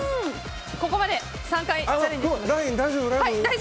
ここまで３回。